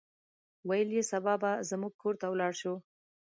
ویې ویل سبا به زموږ کور ته ولاړ شو.